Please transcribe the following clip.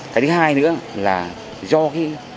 cái thứ hai nữa là do một số bộ phận đồng bào